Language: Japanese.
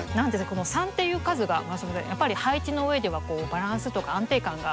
「３」っていう数がやっぱり配置のうえではバランスとか安定感が。